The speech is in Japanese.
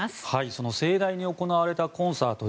その盛大に行われたコンサート。